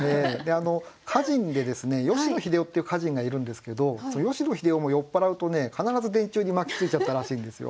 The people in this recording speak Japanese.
歌人でですね吉野秀雄っていう歌人がいるんですけどその吉野秀雄も酔っ払うとね必ず電柱に巻きついちゃったらしいんですよ。